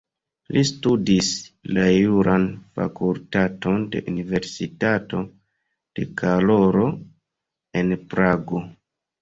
Li studis la juran fakultaton de Universitato de Karolo en Prago.